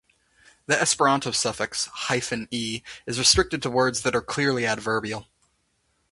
The Esperanto suffix "-e" is restricted to words that are clearly adverbial.